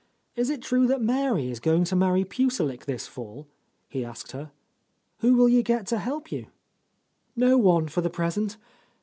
"Is it true that Mary is going to marry Puce lik this fall?" he asked her. "Who will you get to help you?" "No one, for the present.